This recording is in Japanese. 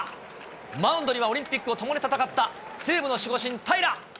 マウンドにはオリンピックを共に戦った西武の守護神、平良。